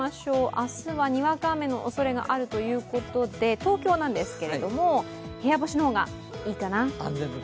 明日はにわか雨のおそれがあるということで東京なんですけれども部屋干しの方がいいかな。